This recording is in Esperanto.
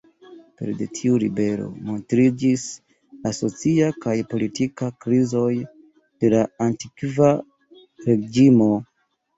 Pere de tiuj ribeloj, montriĝis la socia kaj politika krizoj de la Antikva Reĝimo.